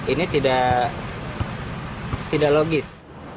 ini tidak logis